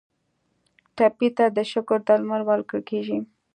ټپي ته د شکر درمل ورکول کیږي.